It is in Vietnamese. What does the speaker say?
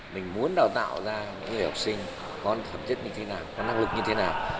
mình muốn đào tạo ra những người học sinh có phẩm chất như thế nào có năng lực như thế nào